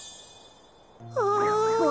ああ！